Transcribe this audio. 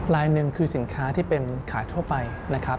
ลายหนึ่งคือสินค้าที่เป็นขายทั่วไปนะครับ